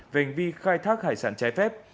về hành vi khai thác hải sản trái phép